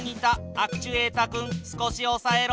アクチュエータ君少しおさえろ。